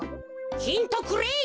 ヒントくれい！